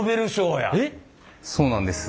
そうなんです。